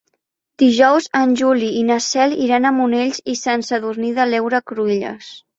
Dijous en Juli i na Cel iran a Monells i Sant Sadurní de l'Heura Cruïlles.